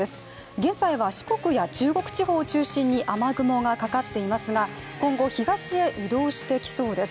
現在は四国や中国地方を中心に雨雲がかかっていますが、今後東へ移動してきそうです。